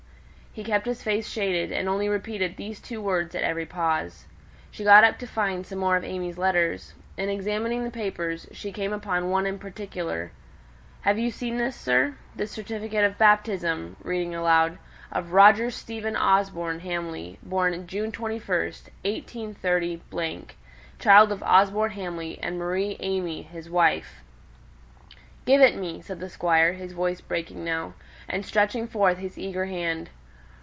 He kept his face shaded, and only repeated those two words at every pause. She got up to find some more of AimÄe's letters. In examining the papers, she came upon one in particular. "Have you seen this, sir? This certificate of baptism" (reading aloud) "of Roger Stephen Osborne Hamley, born June 21, 183 , child of Osborne Hamley and Marie AimÄe his wife " "Give it me," said the Squire, his voice breaking now, and stretching forth his eager hand.